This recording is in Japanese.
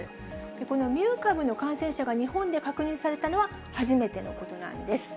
このミュー株の感染者が日本で確認されたのは初めてのことなんです。